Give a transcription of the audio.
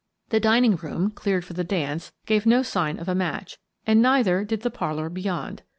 The dining room, cleared for the dance, gave no sign of a match, and neither did the parlour beyond.